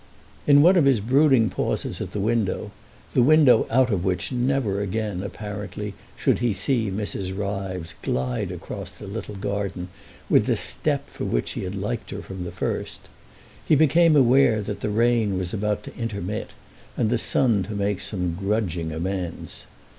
In one of his brooding pauses at the window—the window out of which never again apparently should he see Mrs. Ryves glide across the little garden with the step for which he had liked her from the first—he became aware that the rain was about to intermit and the sun to make some grudging amends.